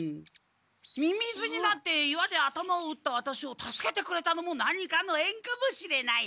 ミミズになって岩で頭を打ったワタシを助けてくれたのも何かのえんかもしれない。